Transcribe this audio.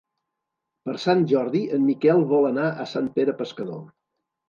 Per Sant Jordi en Miquel vol anar a Sant Pere Pescador.